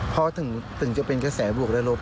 เพราะถึงจะเป็นกระแสบวกและลบ